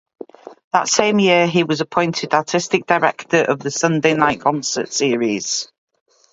That same year he was appointed Artistic Director of the Sunday Night Concert series.